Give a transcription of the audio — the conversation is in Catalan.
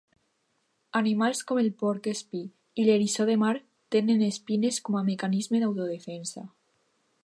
Animals com el porc espí i l'eriçó de mar tenen espines com a mecanisme d'autodefensa.